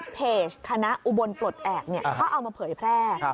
เพจคณะอุบลปลดแอบเขาเอามาเผยแพร่